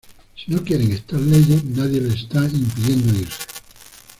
Si no quieren estas leyes, nadie les está impidiendo irse.